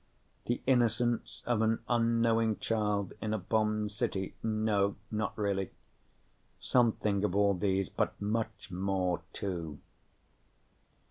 The innocence of an unknowing child in a bombed city no, not really. Something of all those, but much more, too.